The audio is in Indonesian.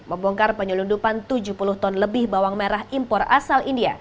membongkar penyelundupan tujuh puluh ton lebih bawang merah impor asal india